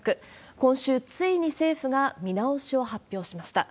今週、ついに政府が見直しを発表しました。